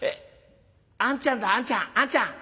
あんちゃんだあんちゃんあんちゃん。